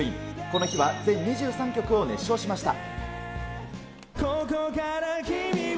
この日は全２３曲を熱唱しました。